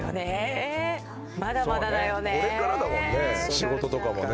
仕事とかもね